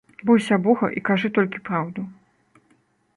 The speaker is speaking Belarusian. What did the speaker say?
Бойся бога і кажы толькі праўду.